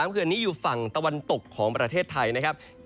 เขื่อนนี้อยู่ฝั่งตะวันตกของประเทศไทยนะครับ